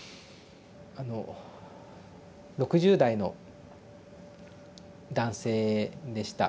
あの６０代の男性でした。